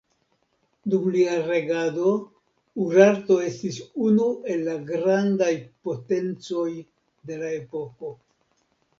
Dum lia regado, Urarto estis unu el la grandaj potencoj de la epoko.